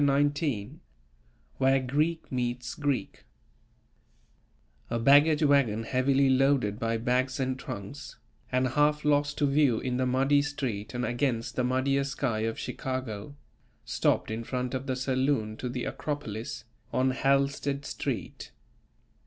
XIX WHERE GREEK MEETS GREEK A baggage wagon heavily loaded by bags and trunks, and half lost to view in the muddy street and against the muddier sky of Chicago, stopped in front of the saloon to the Acropolis, on Halstead Street.